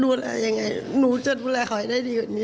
ดูแลยังไงหนูจะดูแลเขาให้ได้ดีกว่านี้